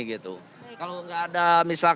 kalau tidak ada misalkan